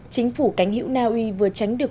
chính phủ cánh hữu naui vừa tránh được